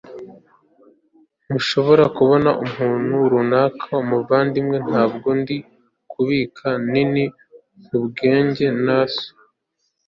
ntushobora kubona ikintu runaka, muvandimwe. ntabwo ndi kubika anini kubwanjye, na so